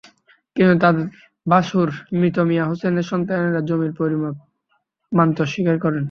কিন্তু তাঁর ভাশুর মৃত মিয়া হোসেনের সন্তানেরা জমির পরিমাপ মানতে অস্বীকার করেন।